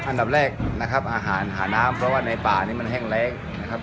อันดับแรกนะครับอาหารหาน้ำเพราะว่าในป่านี้มันแห้งแรงนะครับ